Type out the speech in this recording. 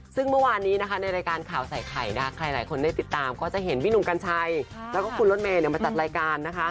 ซึ่งเมื่อวานนี้นะคะในรายการข่าวใส่ไข่นะคะใครหลายคนได้ติดตามก็จะเห็นพี่หนุ่มกัญชัยแล้วก็คุณรถเมย์มาจัดรายการนะคะ